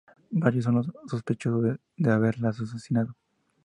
Varios son los sospechosos de haberla asesinado.